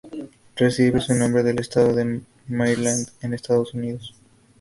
Recibe su nombre del estado de Maryland en los Estados Unidos.